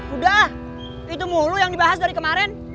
udah itu mulu yang dibahas dari kemarin